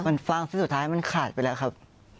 มันฟังซึ่งสุดท้ายมันขาดไปแล้วครับ